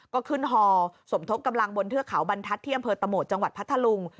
ก็ขึ้นฮอสมทบกำลังบนเทือกเขาบรรทัศน์ที่อำเภอตะโหมดจังหวัดพัทธลุง